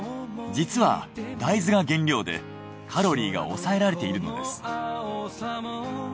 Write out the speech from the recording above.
実は大豆が原料でカロリーが抑えられているのです。